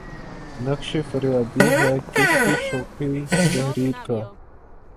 نقش فریادی ہے کس کی شوخیٴ تحریر کا؟